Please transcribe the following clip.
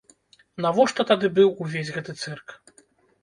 Навошта тады быў увесь гэты цырк?